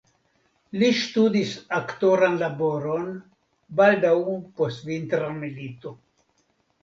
Li ŝtudis aktoran laboron baldaŭ post Vintra milito.